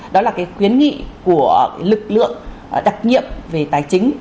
đó là cái khuyến nghị của lực lượng đặc nhiệm về tài chính